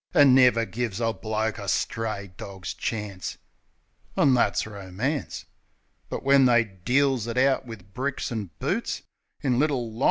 An' never give a bloke a stray dog's chance, An' that's Romance. But when they deals it out wiv bricks an' boots In Little Lon.